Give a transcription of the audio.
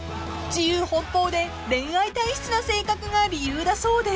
自由奔放で恋愛体質な性格が理由だそうで］